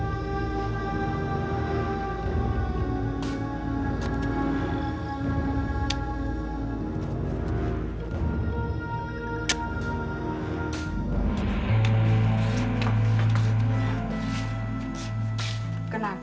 lalu nggak ada yang nanya